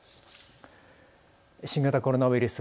新型コロナウイルス。